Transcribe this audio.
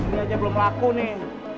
ini aja belum laku nih